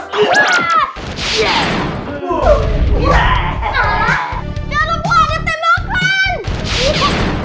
tembak lagi mas